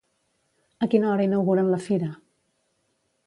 A quina hora inauguren la fira?